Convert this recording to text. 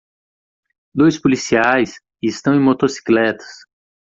Dois policiais e estão em motocicletas.